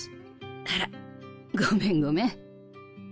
あらごめんごめん。